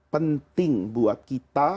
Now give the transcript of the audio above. penting buat kita